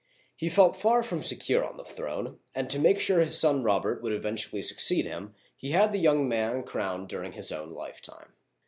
He felt far from secure on the throne, and to make sure his son Robert would eventually succeed him, he had the young man crowned during his owji lifetime.